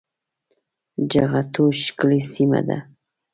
جغتو ښکلې سيمه ده